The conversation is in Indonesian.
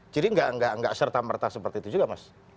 jadi tidak serta merta seperti itu juga mas